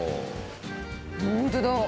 本当だ。